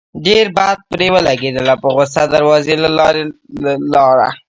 ډېر بد پرې ولګېدل او پۀ غصه دروازې له لاړه